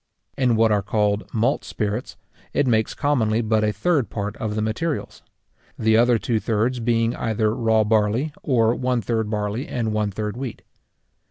In what are called malt spirits, it makes commonly but a third part of the materials; the other two thirds being either raw barley, or one third barley and one third wheat.